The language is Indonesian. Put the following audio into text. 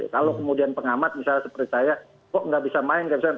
kalau kemudian pengamat misalnya seperti saya kok nggak bisa main nggak bisa main